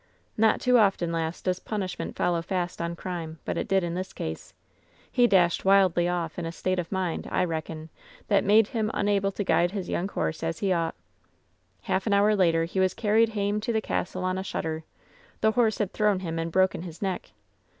"Not too often, lass, does punishment follow fast on crime, but it did in this case. He dashed wildly off in a state of mind, I reckon, that made him unable to guide his young horse as he ought. "Half an hour later he was carried hame to the castle on a shutter. The horse had thrown him and broken his neck.